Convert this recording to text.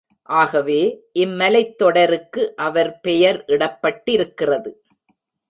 ஆகவே, இம்மலைத் தொடருக்கு அவர் பெயர் இடப்பட்டிருக்கிறது.